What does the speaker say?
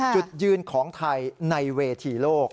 จุดยืนของไทยในเวทีโลก